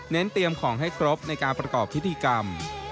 เตรียมของให้ครบในการประกอบพิธีกรรม